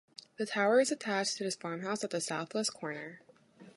The tower is attached to the farmhouse at the southwest corner.